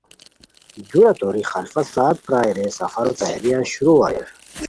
دُورہ توری خلفہ ساعت پرائے رے سفرو تیاریان شروع اریر